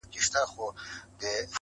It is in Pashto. تر اوسه یې د سرو لبو یو جام څکلی نه دی,